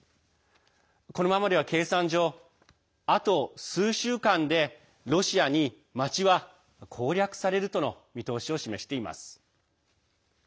このままでは計算上あと数週間でロシアに町は攻略されるとの見通しを示しています。